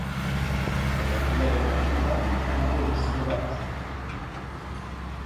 Eraikinaren erpin bat kubo hustu bat da.